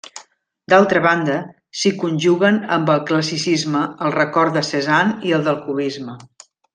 D'altra banda, s'hi conjuguen amb el classicisme el record de Cézanne i el del cubisme.